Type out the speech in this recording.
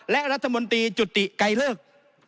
และรัฐมนตรีจุติไกรเลิก